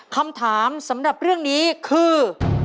คำถามสำหรับเรื่องนี้คือ